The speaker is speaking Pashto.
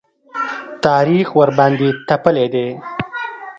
تاریخ ورباندې تپلی دی.